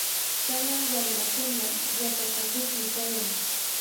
kanan wamrakuna yatapakuqmi kayan.